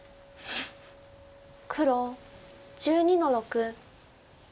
黒１２の六。